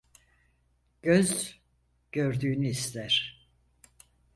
Göz gördüğünü ister.